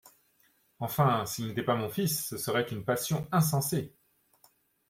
Enfin, s’il n’était pas mon fils, ce serait une passion insensée !